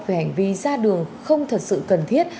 về hành vi ra đường không thật sự cần thiết